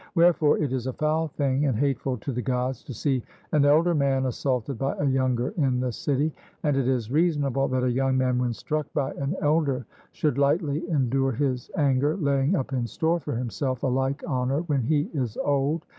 Wherefore it is a foul thing and hateful to the Gods to see an elder man assaulted by a younger in the city, and it is reasonable that a young man when struck by an elder should lightly endure his anger, laying up in store for himself a like honour when he is old.